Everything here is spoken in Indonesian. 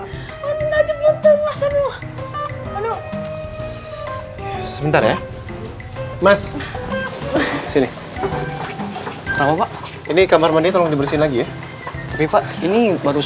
sebentar sebentar sebentar ya mas sini ini kamar mandi tolong dibersihin lagi ya tapi pak ini baru